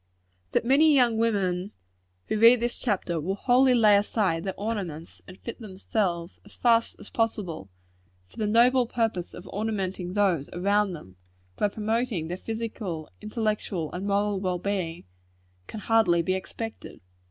That many young women, who read this chapter, will wholly lay aside their ornaments, and fit themselves, as fast as possible, for the noble purpose of ornamenting those around them, by promoting their physical, intellectual and moral well being, can hardly be expected.